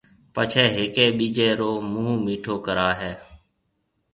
پڇيَ ھيَََڪيَ ٻيجيَ رو مونھ مِيٺو ڪرائيَ ھيََََ